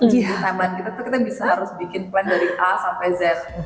di timeline kita tuh kita bisa harus bikin plan dari a sampai z